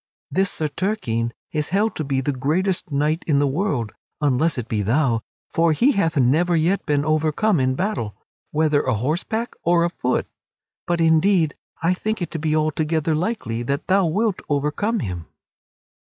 This Sir Turquine is held to be the greatest knight in the world (unless it be thou) for he hath never yet been overcome in battle, whether a horseback or a foot. But, indeed, I think it to be altogether likely that thou wilt overcome him."